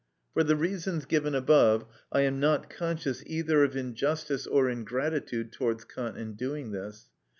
For the reasons given above, I am not conscious either of injustice or ingratitude towards Kant in doing this.